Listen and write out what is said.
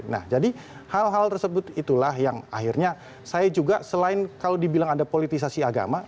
nah jadi hal hal tersebut itulah yang akhirnya saya juga selain kalau dibilang ada politisasi agama